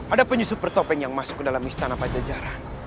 ada penyusup pertopeng yang masuk ke dalam istana pajajaran